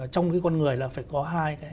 trong cái con người là phải có hai